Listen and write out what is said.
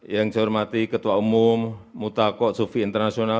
yang saya hormati ketua umum mutako sufi internasional